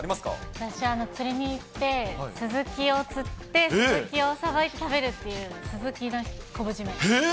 私、釣りに行って、スズキを釣って、スズキをさばいて食べるっていう、スズキの昆布締め。